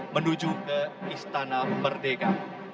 menuju ke istana merdeka